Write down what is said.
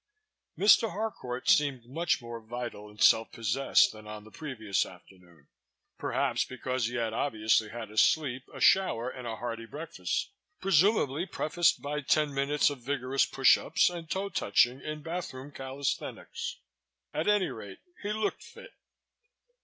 Mr. Harcourt seemed much more vital and self possessed than on the previous afternoon perhaps because he had obviously had a sleep, a shower and a hearty breakfast, presumably prefaced by ten minutes of vigorous push ups and toe touching in bathroom calisthenics. At any rate he looked fit.